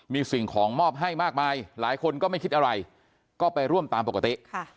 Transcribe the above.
มีสิ่งของมอบให้มากมายหลายคนก็ไม่คิดอะไรก็ไปร่วมตามปกติ